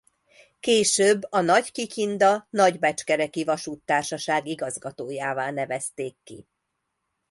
Később a Nagykikinda-Nagybecskereki Vasúttársaság igazgatójává nevezték ki.